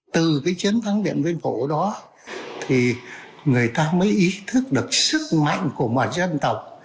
từ cái chiến thắng điện biên phủ đó thì người ta mới ý thức được sức mạnh của một dân tộc